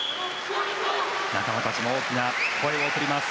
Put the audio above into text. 仲間たちも大きな声を送ります。